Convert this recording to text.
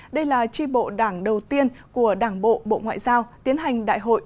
đây là tri bộ đảng đầu tiên của đảng bộ bộ ngoại giao tiến hành đại hội